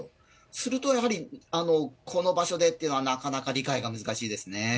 するとやはり、この場所でっていうのは、なかなか理解が難しいですね。